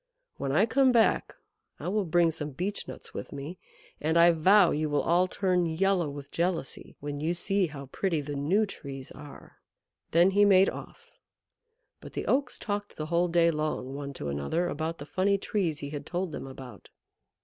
When I come back I will bring some Beech nuts with me, and I vow you will all turn yellow with jealousy when you see how pretty the new Trees are." Then he made off. But the Oaks talked the whole day long one to another about the funny Trees he had told them about.